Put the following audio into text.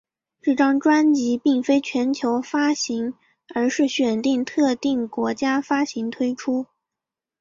这张专辑并非全球发行而是选定特定国家发行推出。